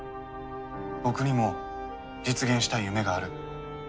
僕にも実現したい夢がある。